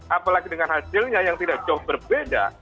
apalagi dengan hasilnya yang tidak jauh berbeda